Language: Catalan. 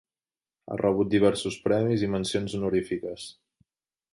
Ha rebut diversos premis i mencions honorífiques.